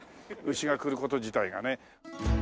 牛が来る事自体がね。